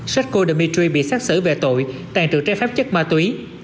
shekko dmitry bị xác xử về tội tàn trữ trái phép chất ma túy